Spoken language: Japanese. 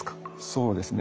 そうですね